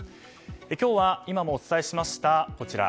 今日は今もお伝えしました